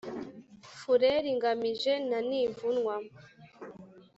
fureri ngamije na ntivunwa